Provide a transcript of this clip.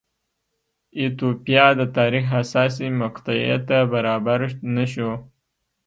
ایتوپیا د تاریخ حساسې مقطعې ته برابر نه شو.